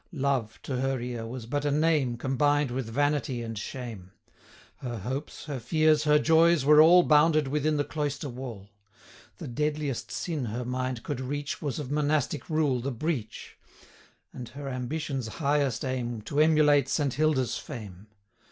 Love, to her ear, was but a name, Combined with vanity and shame; Her hopes, her fears, her joys, were all 55 Bounded within the cloister wall: The deadliest sin her mind could reach Was of monastic rule the breach; And her ambition's highest aim To emulate Saint Hilda's fame.